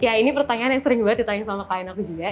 ya ini pertanyaan yang sering banget ditanya sama kak enok juga